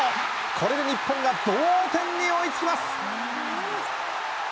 これで日本が同点に追いつきます。